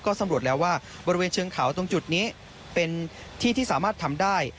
สำรวจแล้วว่าบริเวณเชิงเขาตรงจุดนี้เป็นที่ที่สามารถทำได้